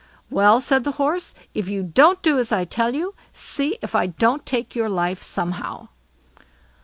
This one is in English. "Well", said the Horse, "If you don't do as I tell you, see if I don't take your life somehow."